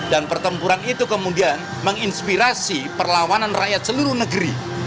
dan pertempuran itu kemudian menginspirasi perlawanan rakyat seluruh negeri